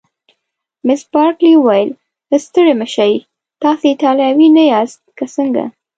مس بارکلي وویل: ستړي مه شئ، تاسي ایټالوي نه یاست که څنګه؟